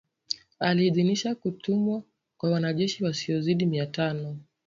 Aliidhinisha kutumwa kwa wanajeshi wasiozidi mia tano